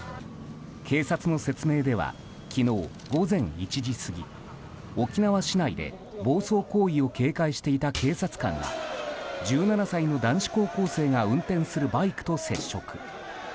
警察の説明では昨日午前１時過ぎ沖縄市内で暴走行為を警戒していた警察官が１７歳の男子高校生が運転するバイクと接触。